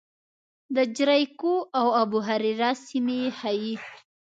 د جریکو او ابوهریره سیمې ښيي.